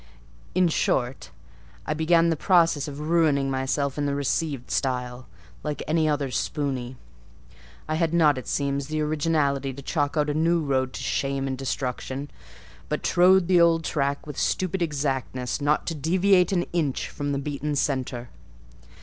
In short, I began the process of ruining myself in the received style, like any other spoony. I had not, it seems, the originality to chalk out a new road to shame and destruction, but trode the old track with stupid exactness not to deviate an inch from the beaten centre.